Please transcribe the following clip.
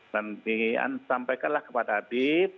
nantian sampaikanlah kepada habib